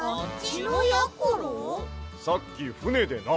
さっきふねでな